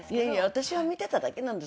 私は見てただけなんです。